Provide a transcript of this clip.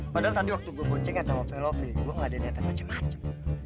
padahal tadi waktu gue ponceng ngacau sama velovi gue ngeladain ngacau macam macam